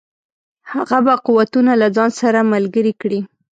هغه به قوتونه له ځان سره ملګري کړي.